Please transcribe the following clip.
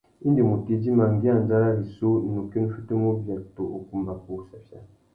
Indi mutu idjima ngüi andjara rissú, nukí nù fitimú ubia tô ukumba wussafia.